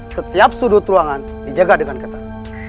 setiap sudut ruangan dijaga dengan ketat